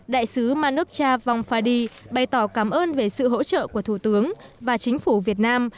đại sứ manupcha vongphadi bày tỏ cảm ơn về sự hỗ trợ của thủ tướng và chính phủ việt nam